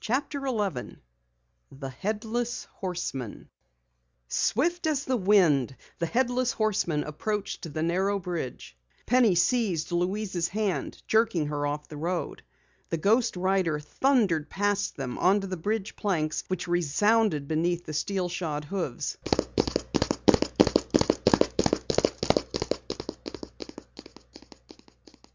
CHAPTER 11 THE HEADLESS HORSEMAN Swift as the wind, the headless horseman approached the narrow bridge. Penny seized Louise's hand, jerking her off the road. The ghost rider thundered past them onto the bridge planks which resounded beneath the steel shod hoofs.